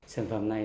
sản phẩm này